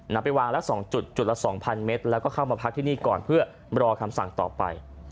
นำไปวางละ๒จุดจุดละ๒๐๐เมตรแล้วก็เข้ามาพักที่นี่ก่อนเพื่อรอคำสั่งต่อไป